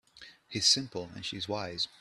He's simple and she's wise.